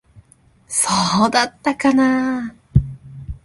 そうだったかなあ。